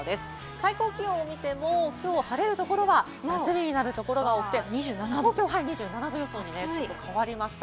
最高気温を見てもきょうは晴れるところは真夏日になるところが多くて、東京は２７度の予想に変わりました。